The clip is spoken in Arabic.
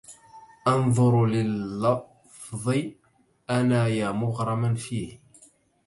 أنظر للفظ أنا يا مغرما فيه